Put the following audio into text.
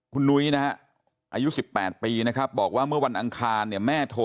คุณนุ้ยนะฮะอายุ๑๘ปีนะครับบอกว่าเมื่อวันอังคารเนี่ยแม่โทร